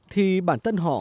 thì bản thân họ